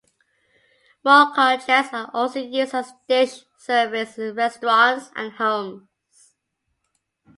"Molcajetes" are also used as dish service in restaurants and homes.